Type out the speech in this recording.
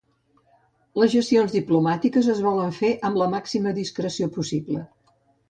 Les gestions diplomàtiques es volen fer amb la màxima discreció possible.